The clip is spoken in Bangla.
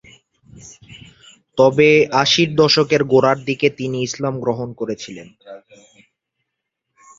তবে আশির দশকের গোড়ার দিকে তিনি ইসলাম গ্রহণ করেছিলেন।